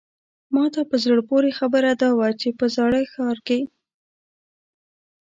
ماته په زړه پورې خبره دا وه چې په زاړه ښار کې.